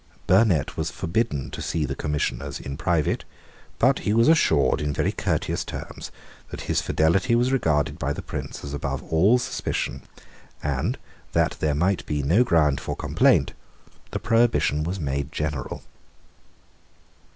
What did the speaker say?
Burnet was forbidden to see the Commissioners in private; but he was assured in very courteous terms that his fidelity was regarded by the Prince as above all suspicion; and, that there might be no ground for complaint, the prohibition was made general.